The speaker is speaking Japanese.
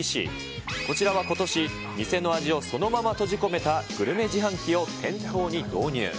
こちらはことし、店の味をそのまま閉じ込めたグルメ自販機を店頭に導入。